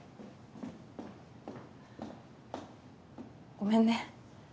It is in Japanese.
ごめんね。